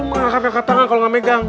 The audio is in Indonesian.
mengangkat angkat tangan kalau gak megang